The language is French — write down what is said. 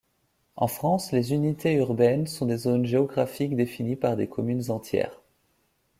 En France, les unités urbaines sont des zones géographiques définies par des communes entières.